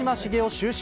終身